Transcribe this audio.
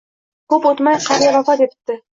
Ko'p o'tmay qariya vafot etibdi